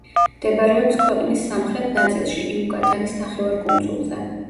მდებარეობს ქვეყნის სამხრეთ ნაწილში, იუკატანის ნახევარკუნძულზე.